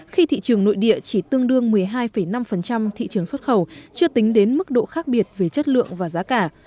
khi thị trường nội địa chỉ tương đương một mươi hai năm thị trường xuất khẩu chưa tính đến mức độ khác biệt về chất lượng và giá cả